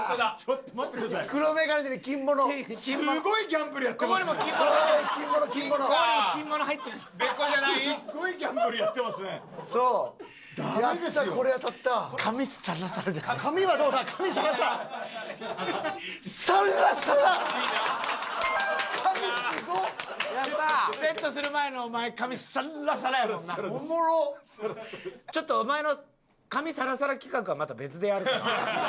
ちょっとお前の髪サラサラ企画はまた別でやるかな。